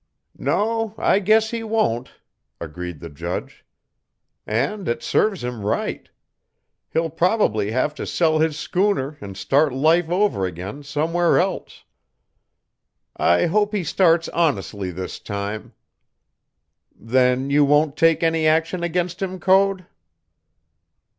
"No, I guess he won't," agreed the judge, "and it serves him right. He'll probably have to sell his schooner and start life over again somewhere else. I hope he starts honestly this time. Then you won't take any action against him, Code?"